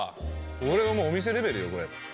これはもうお店レベルよこれ。